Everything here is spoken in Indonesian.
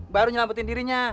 baru nyelametin dirinya